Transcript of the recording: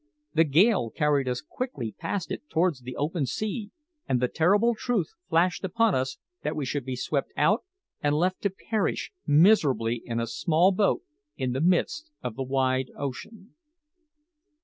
The gale carried us quickly past it towards the open sea, and the terrible truth flashed upon us that we should be swept out and left to perish miserably in a small boat in the midst of the wide ocean.